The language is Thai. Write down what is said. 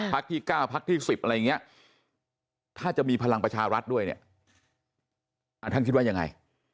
ที่๙พักที่๑๐อะไรอย่างนี้ถ้าจะมีพลังประชารัฐด้วยเนี่ยท่านคิดว่ายังไง